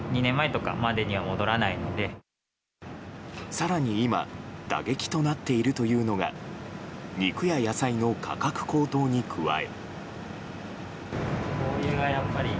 更に、今打撃となっているというのが肉や野菜の価格高騰に加え。